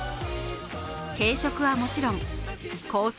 軽食はもちろん、コース